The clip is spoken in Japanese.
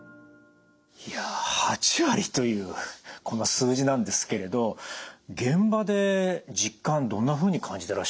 いや８割というこの数字なんですけれど現場で実感どんなふうに感じてらっしゃいますか？